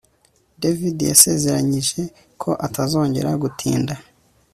David yasezeranyije ko atazongera gutinda